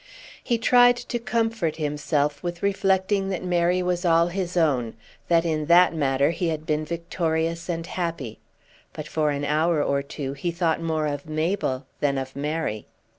He tried to comfort himself with reflecting that Mary was all his own, that in that matter he had been victorious and happy; but for an hour or two he thought more of Mabel than of Mary.